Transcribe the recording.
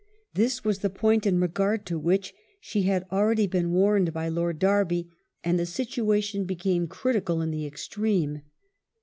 This was the point in regard to which she had already been warned by Lord Derby, and the situa tion became critical in the extreme.